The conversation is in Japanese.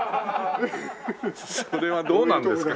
それはどうなんですか？